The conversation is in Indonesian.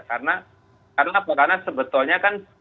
karena karena sebetulnya kan